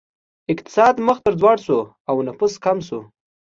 اقتصاد مخ په ځوړ شو او نفوس کم شو.